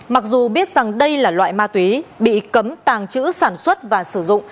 mặc dù biết rằng đây là loại ma túy bị cấm tàng trữ sản xuất và sử dụng